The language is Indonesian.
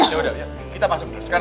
yaudah ya kita masuk terus